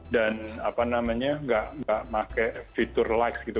dan apa namanya nggak pakai fitur likes gitu